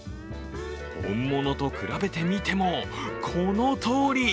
本物と比べてみても、このとおり。